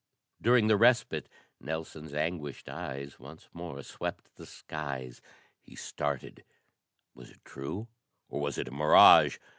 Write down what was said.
During the respite Nelson's anguished eyes once more swept the skies. He started. Was it true or was it a mirage?